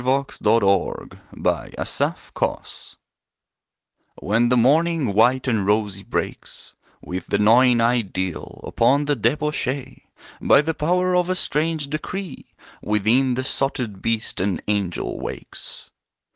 The Spiritual Dawn When the morning white and rosy breaks, With the gnawing Ideal, upon the debauchee, By the power of a strange decree, Within the sotted beast an Angel wakes.